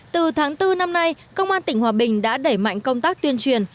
từ tháng bốn năm nay công an tỉnh hòa bình đã đẩy mạnh công tác tuyên truyền